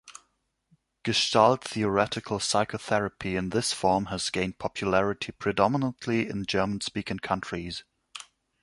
Gestalt Theoretical Psychotherapy in this form has gained popularity predominately in German speaking countries.